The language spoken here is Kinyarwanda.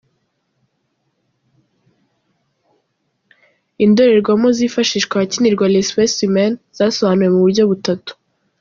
Indorerwamo zifashishwa ahakinirwa ’L’espèce humaine’ zasobanuwe mu buryo butatu.